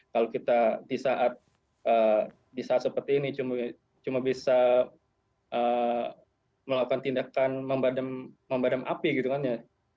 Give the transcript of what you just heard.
kalau kita di saat seperti ini cuma bisa melakukan tindakan membadam api gitu kan ya